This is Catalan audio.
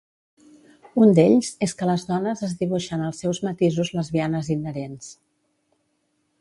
Un d'ells és que les dones es dibuixen als seus matisos lesbianes inherents.